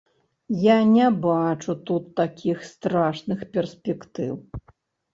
Я не бачу тут такіх страшных перспектыў.